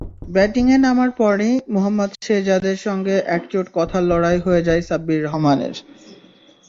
ব্যাটিংয়ে নামার পরই মোহাম্মদ শেহজাদের সঙ্গে একচোট কথার লড়াই হয়ে যায় সাব্বির রহমানের।